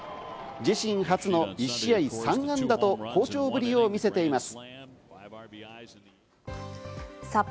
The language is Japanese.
自身初の１試合３安打と好調ぶりを見せています。